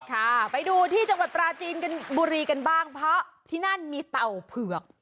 ค่ะไปดูที่จังหวัดปราจีนกันบุรีกันบ้างเพราะที่นั่นมีเต่าเผือก